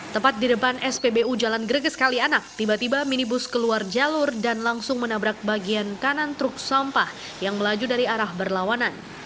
tepat di depan spbu jalan greges kalianak tiba tiba minibus keluar jalur dan langsung menabrak bagian kanan truk sampah yang melaju dari arah berlawanan